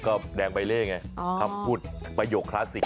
ก็แดงใบเล่ไงคำพูดประโยคคลาสสิก